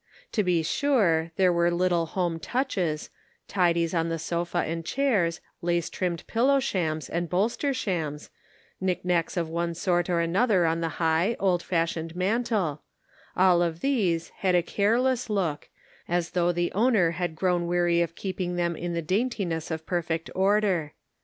To be sure, there were little home touches, tidies on the sofa and chairs, lace trimmed pillow shams and bolster shams, nick nacks of one sort or another on the high, old fashioned mantle ; all of these had a care less look, as though the owner had grown weary of keeping them in the daintiness of perfect order.